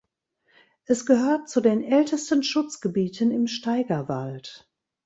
Es gehört zu den ältesten Schutzgebieten im Steigerwald.